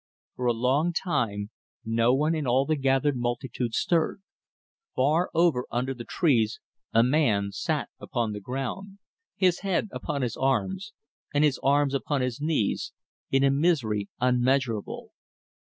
For a long time no one in all the gathered multitude stirred. Far over under the trees a man sat upon the ground, his head upon his arms, and his arms upon his knees, in a misery unmeasurable.